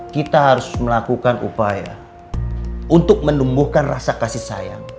kita harus melakukan upaya untuk menumbuhkan rasa kasih sayang